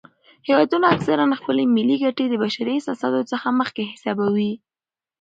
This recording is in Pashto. هیوادونه اکثراً خپلې ملي ګټې د بشري احساساتو څخه مخکې حسابوي.